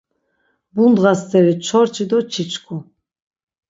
Bundğa steri çorçi do çiçku...